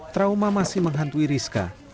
trauma masih menghantui rizka